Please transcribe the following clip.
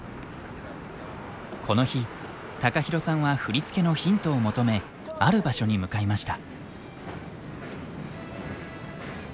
この日ＴＡＫＡＨＩＲＯさんは振り付けのヒントを求めある場所に向かいました。